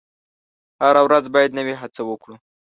هره ورځ باید نوې هڅه وکړو.